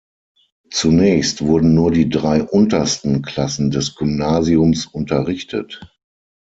Zunächst wurden nur die drei untersten Klassen des Gymnasiums unterrichtet.